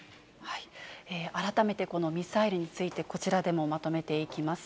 改めてこのミサイルについて、こちらでもまとめていきます。